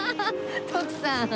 徳さん